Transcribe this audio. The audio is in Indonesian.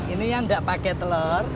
ini yang gak pake telur